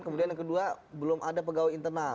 kemudian yang kedua belum ada pegawai internal